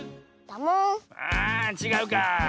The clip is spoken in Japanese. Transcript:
あちがうかあ。